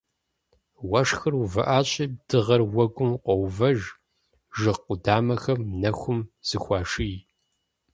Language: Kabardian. Уэшхыр увыӏащи, дыгъэр уэгум къоувэж, жыг къудамэхэм нэхум зыхуаший.